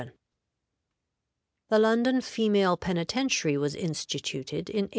The London Female Penitentiary was instituted in 1807.